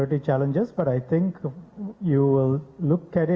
apa yang bisa terjadi